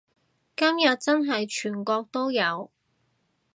今日真係全國都有